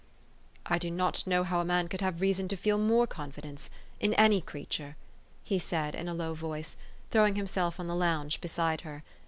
" I do not know how a man could have reason to feel more confidence in any creature," he said in a low voice, throwing himself on the lounge beside her.